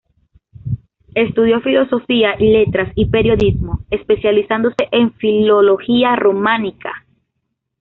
Estudió Filosofía y Letras y Periodismo, especializándose en Filología románica.